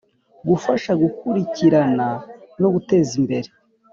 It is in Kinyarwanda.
Gufasha gukurikirana no guteza imbere